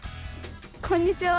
こんにちは！